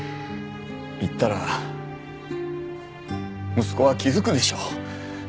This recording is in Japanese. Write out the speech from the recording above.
言ったら息子は気づくでしょう。